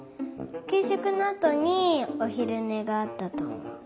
きゅうしょくのあとにおひるねがあったとおもう。